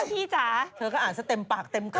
มันฟีปากล้าคุณมดดำขชาพาพยาเกเขาเขียนในข่าวแบบนี้ไหมพี่จ๋า